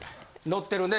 乗ってるね